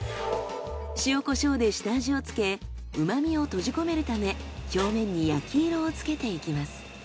塩コショウで下味をつけ旨みを閉じ込めるため表面に焼き色をつけていきます。